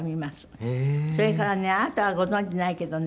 それからねあなたはご存じないけどね